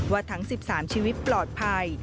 ทั้ง๑๓ชีวิตปลอดภัย